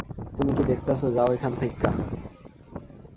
তুমি কি দেখতাসো, যাও এখান থেইক্কা।